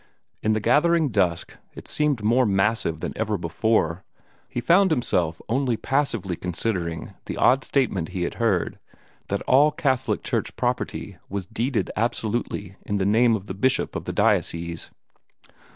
In the gathering dusk it seemed more massive than ever before, but he found himself only passively considering the odd statement he had heard that all Catholic Church property was deeded absolutely in the name of the Bishop of the diocese.